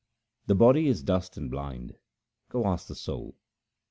The body is dust and blind ; go ask the soul.